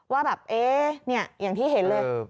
ว่าแบบเอ๊ะเนี่ยอย่างที่เห็นเลย